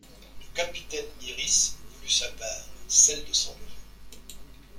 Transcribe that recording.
Le capitaine Lyrisse voulut sa part, celle de son neveu.